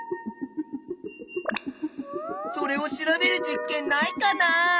それを調べる実験ないかなあ？